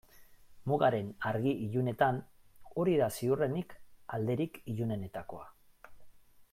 Mugaren argi-ilunetan hori da ziurrenik alderik ilunenetakoa.